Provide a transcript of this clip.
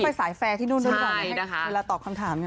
เข้าไปสายแฟร์ที่โน้นด้วยก่อนเวลาตอบคำถาม